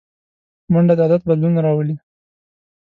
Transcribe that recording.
منډه د عادت بدلون راولي